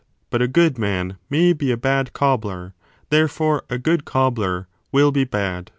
But a good man may be a bad cobbler : therefore a good cobbler will be bad.